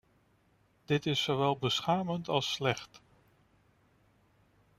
Dit is zowel beschamend als slecht.